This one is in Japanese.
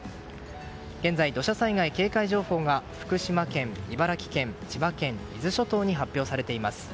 現在、土砂災害警戒情報が福島県、茨城県千葉県、伊豆諸島に発表されています。